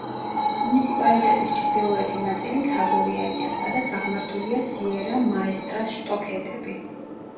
მუნიციპალიტეტის ჩრდილოეთი ნაწილი მთაგორიანია, სადაც აღმართულია სიერა-მაესტრას შტოქედები.